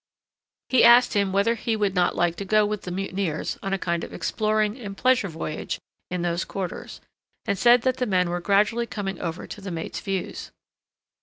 He asked him whether he would not like to go with the mutineers on a kind of exploring and pleasure voyage in those quarters, and said that the men were gradually coming over to the mate's views.